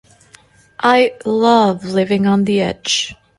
I love living on the edge.